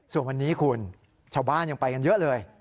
ส่วนวันนี้คุณชาวบ้านยังไปกันเยอะเลย